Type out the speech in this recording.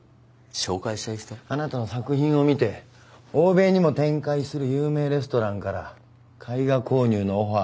あなたの作品を見て欧米にも展開する有名レストランから絵画購入のオファーが複数来ています。